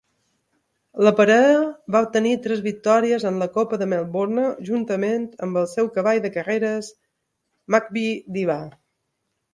La parella va obtenir tres victòries en la Copa de Melbourne juntament amb el seu cavall de carreres, Makybe Diva.